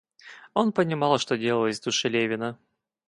Он понимал, что делалось в душе Левина.